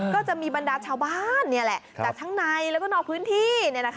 ก็จะมีบรรดาชาวบ้านนี่แหละจากทั้งในแล้วก็นอกพื้นที่